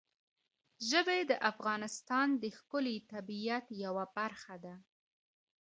ژبې د افغانستان د ښکلي طبیعت یوه برخه ده.